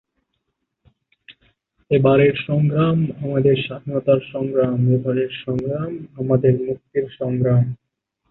ঐ সময়ে ইউনিয়ন এর চেয়ারম্যান কে গ্রাম প্রেসিডেন্ট বলা হত।